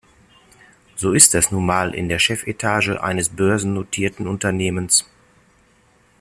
So ist das nun mal in der Chefetage eines börsennotierten Unternehmens.